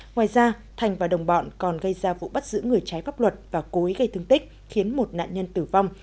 ngoài ra thành và đồng bọn còn gây ra vụ bắt giữ người trái pháp luật và cố ý gây thương tích khiến một nạn nhân tử vong